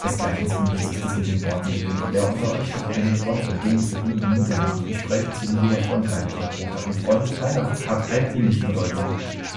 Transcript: Das Gleichnis von Jesus, das mit den Worten beginnt: „Wer unter euch hat einen Freund und ginge zu ihm um Mitternacht und spräche zu ihm: Lieber Freund, leih mir drei Brote“, (Ein Freund bei Nacht) hat eine ähnliche Bedeutung.